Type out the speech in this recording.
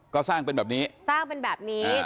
ก็สร้างเป็นแบบนี้